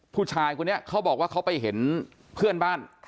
ผู้ชายคนนี้เขาบอกว่าเขาไปเห็นเพื่อนบ้าน